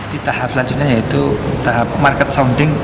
di tahap selanjutnya yaitu tahap market sounding